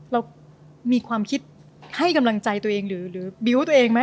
เรามีความคิดให้กำลังใจตัวเองหรือบิวต์ตัวเองไหม